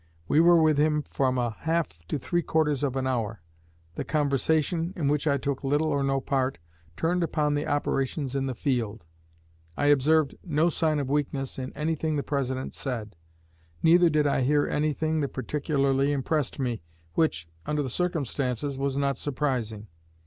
We were with him from a half to three quarters of an hour. The conversation, in which I took little or no part, turned upon the operations in the field. I observed no sign of weakness in anything the President said; neither did I hear anything that particularly impressed me, which, under the circumstances, was not surprising.